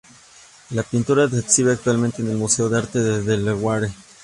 La pintura se exhibe actualmente en el Museo de Arte de Delaware.